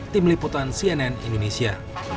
tim liputan cnn indonesia